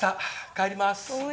帰ります。